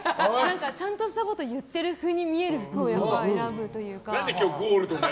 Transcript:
ちゃんとしたことを言っているように見える服を選ぶというか。